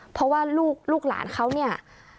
เพราะว่าลูกหลานเขาเนี่ย